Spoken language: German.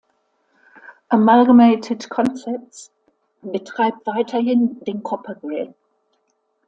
Amalgamated Concepts betreibt weiterhin den Copper Grill.